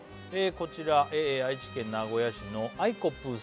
こちら愛知県名古屋市のあいこぷぅさん